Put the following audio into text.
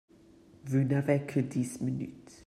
Vous n’avez que dix minutes.